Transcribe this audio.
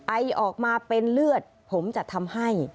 ไอออกมาเป็นเลือดผมจะทำให้